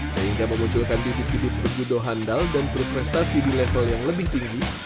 sehingga memunculkan didik didik judo handal dan berprestasi di level yang lebih tinggi